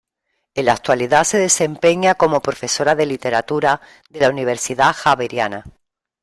En la actualidad se desempeña como profesora de literatura de la Universidad Javeriana.